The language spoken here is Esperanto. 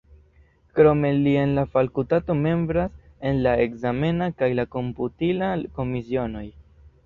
Krome li en la fakultato membras en la ekzamena kaj la komputila komisionoj.